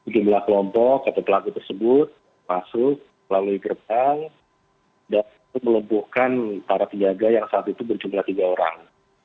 dibela kelompok atau pelaku tersebut masuk lalu dikeretang dan melumpuhkan para penjaga yang saat itu berjumlah tiga orang